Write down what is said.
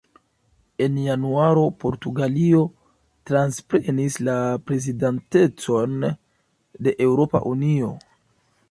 En januaro Portugalio transprenis la prezidantecon de Eŭropa Unio.